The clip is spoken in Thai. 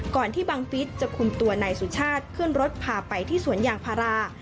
ก่อนที่บังฟิศจะคุมตัวนายสุชาติขึ้นรถพาไปที่สวนยางพารา